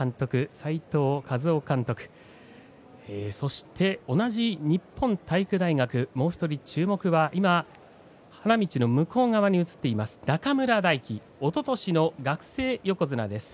齋藤一雄監督そして同じ日本体育大学もう１人、注目は今、花道の向こう側に映っています中村泰輝おととしの学生横綱です。